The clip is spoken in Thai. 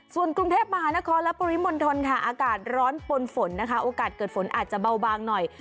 ส่วนกรุงเทพมหานครและปริมณฑลค่ะอากาศร้อนปนฝนนะคะโอกาสเกิดฝนอาจจะเบาบางหน่อย